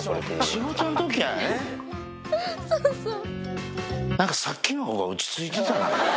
そうそう。